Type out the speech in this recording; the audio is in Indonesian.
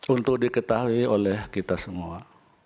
untuk diketahui oleh kita semua